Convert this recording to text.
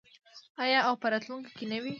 آیا او په راتلونکي کې نه وي؟